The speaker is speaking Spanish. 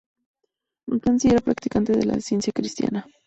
McKenzie era practicante de la Ciencia Cristiana.